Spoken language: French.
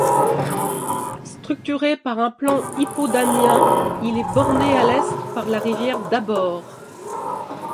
Structuré par un plan hippodamien, il est borné à l'est par la rivière d'Abord.